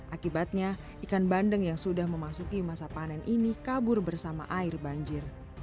akibatnya ikan bandeng yang sudah memasuki masa panen ini kabur bersama air banjir